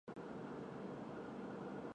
中国乡镇的农机站是类似的机构。